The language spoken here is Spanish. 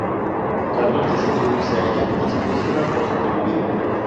Carlos decide unirse a ella en su búsqueda por sobrevivir.